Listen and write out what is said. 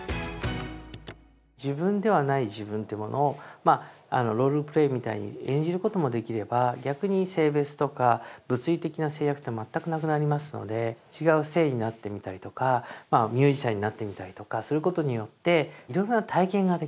自分ではない自分というものをロールプレイみたいに演じることもできれば逆に性別とか物理的な制約って全くなくなりますので違う性になってみたりとかミュージシャンになってみたりとかすることによっていろいろな体験ができる。